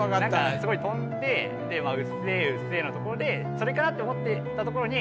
すごい飛んで「うっせぇうっせぇ」のところでそれかなと思ってたところに